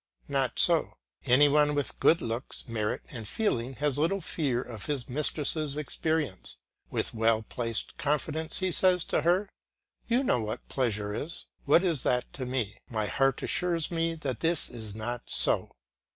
Not so; any one with good looks, merit, and feeling has little fear of his mistress' experience; with well placed confidence he says to her, "You know what pleasure is, what is that to me? my heart assures me that this is not so."